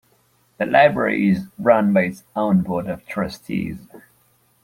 The library is run by its own Board of Trustees.